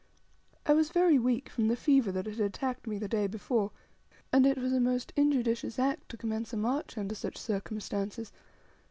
I was very weak from the fever that had attacked me the day before, and it was a most injudicious act to commence a march under such circumstances.